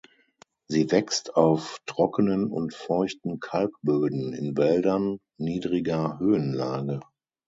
Sie wächst auf trockenen und feuchten Kalkböden, in Wäldern niedriger Höhenlage.